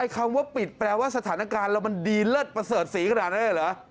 คำว่าปิดแปลว่าสถานการณ์เรามันดีเลิศประเสริฐศรีขนาดนั้นเลยเหรอ